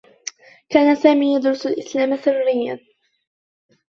كان سامي يدرس الإسلام سرّيّا.